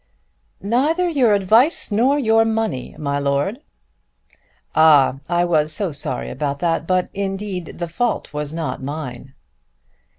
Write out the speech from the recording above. "Neither your advice nor your money, my lord." "Ah, I was so sorry about that! But, indeed, indeed, the fault was not mine."